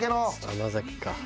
「甘酒か」